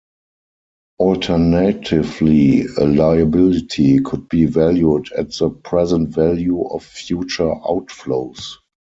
Alternatively, a liability could be valued at the present value of future outflows.